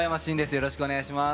よろしくお願いします。